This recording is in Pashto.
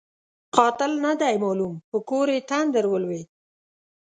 قاتل نه دی معلوم؛ په کور یې تندر ولوېد.